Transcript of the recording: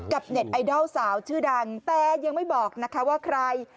เน็ตไอดอลสาวชื่อดังแต่ยังไม่บอกนะคะว่าใคร